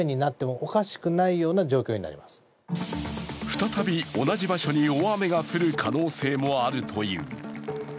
再び同じ場所に大雨が降る可能性もあるという。